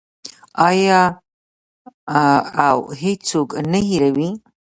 آیا او هیڅوک نه هیروي؟